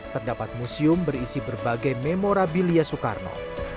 terdapat museum berisi berbagai memorabilia soekarno